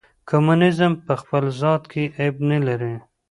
کمونیزم په خپل ذات کې عیب نه لري.